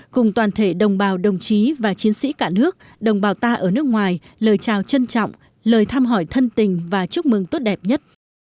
cùng toàn thể đồng bào đồng chí và chiến sĩ cả nước đồng bào ta ở nước ngoài lời chào trân trọng lời thăm hỏi thân tình và chúc mừng tốt đẹp nhất